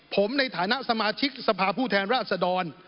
ผมในฐานะสมาชิกสภาพผู้แทนราชดร